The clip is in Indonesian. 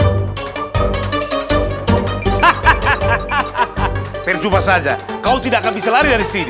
hahahaha terjumpa saja kau tidak ada sendirinya disini